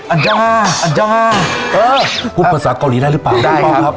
อันเจ้าห้าอันเจ้าห้าเออพูดภาษาเกาหลีได้หรือเปล่าได้ครับ